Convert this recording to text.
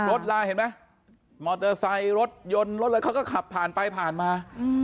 รถลายเห็นมะมอเตอร์ไซด์รถยนต์รถเลยก็ขับผ่านไปผ่านมา